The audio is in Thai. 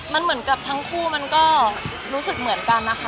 มันเหมือนกับทั้งคู่มันก็รู้สึกเหมือนกันนะคะ